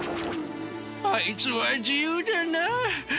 あいつは自由だなあ。